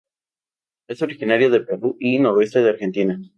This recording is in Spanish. Es originaria de Perú y noroeste de Argentina.